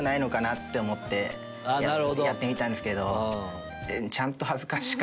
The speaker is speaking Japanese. やってみたんですけど。